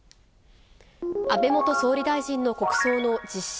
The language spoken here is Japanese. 安倍元総理大臣の国葬の実施